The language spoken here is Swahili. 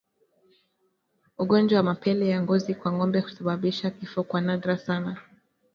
Ugonjwa wa mapele ya ngozi kwa ngombe husababisha kifo kwa nadra sana